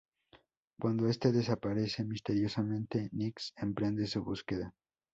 Cuando este desaparece misteriosamente, Nyx emprende su búsqueda.